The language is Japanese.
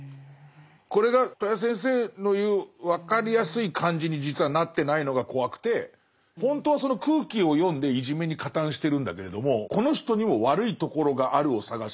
これが戸谷先生の言う分かりやすい感じに実はなってないのが怖くてほんとはその空気を読んでいじめに加担してるんだけれどもこの人にも悪いところがあるを探してああ